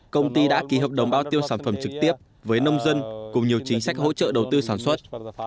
công ty đã ký hợp đồng bao tiêu sản phẩm trực tiếp với nông dân cùng nhiều chính sách hỗ trợ đầu tư sản xuất